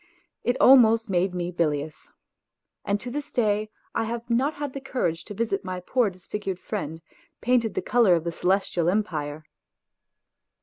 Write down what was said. It almost made me bilious. And to this day I have not had the courage to visit my poor disfigured friend, painted the colour of the Celestial Empire.